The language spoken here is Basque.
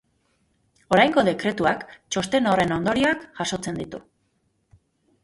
Oraingo dekretuak txosten horren ondorioak jasotzen ditu.